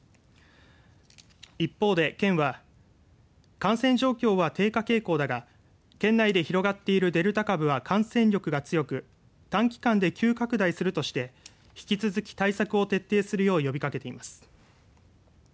一方で県は感染状況は低下傾向だが県内で広がっているデルタ株は感染力が強く短期間で急拡大するとして引き続き対策を徹底するよう呼びかけています。